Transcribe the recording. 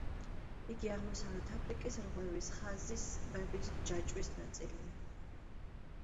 იგი აღმოსავლეთ აფრიკის რღვევის ხაზის ტბების ჯაჭვის ნაწილია.